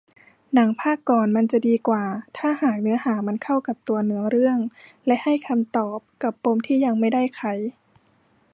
หนังภาคก่อนมันจะดีกว่าถ้าหากเนื้อหามันเข้ากับตัวเนื้อเรื่องและให้คำตอบกับปมที่ยังไม่ได้ไข